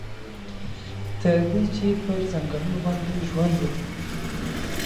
تر دې چې پر ځنګنونو باندې ژوند وکړي.